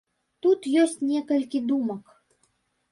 Тут ёсць некалькі думак.